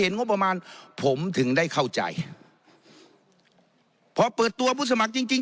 งบประมาณผมถึงได้เข้าใจพอเปิดตัวผู้สมัครจริงจริง